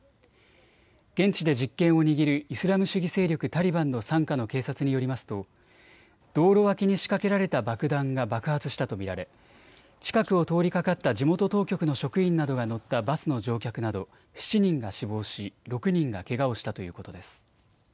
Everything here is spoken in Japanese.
現地で実権を握るイスラム主義勢力タリバンの傘下の警察によりますと道路脇に仕掛けられた爆弾が爆発したと見られ近くを通りかかった地元当局の職員などが乗ったバスの乗客など７人が死亡し、６人がけがをしたということです。